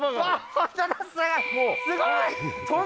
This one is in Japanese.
すごい。